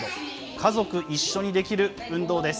家族一緒にできる運動です。